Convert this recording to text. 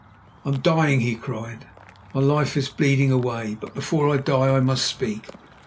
"I am dying," he cried; "my life is bleeding away, but before I die I must speak.